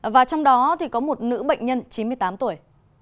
và trong đó thì có một nữ bệnh nhân chín mươi tám tuổi